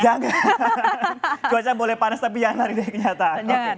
jangan cuaca boleh panas tapi jangan lari dari kenyataan